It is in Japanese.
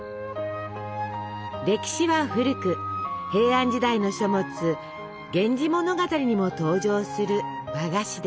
歴史は古く平安時代の書物「源氏物語」にも登場する和菓子です。